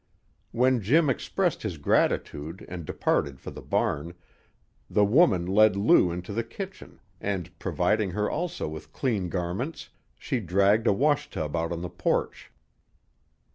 When Jim had expressed his gratitude and departed for the barn, the woman led Lou into the kitchen, and, providing her also with clean garments, she dragged a wash tub out on the porch.